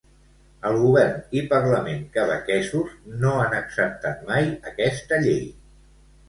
El govern i parlament quebequesos no han acceptat mai aquesta llei.